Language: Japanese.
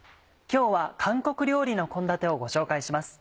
今日は韓国料理の献立をご紹介します。